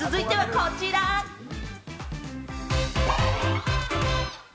続いてはこちら。